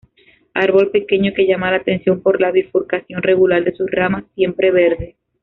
Árbol pequeño que llama la atención por la bifurcación regular de sus ramas, siempreverde.